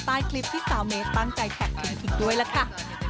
ใต้คลิปที่สาวเมย์ตั้งใจแท็กทิ้งอีกด้วยล่ะค่ะ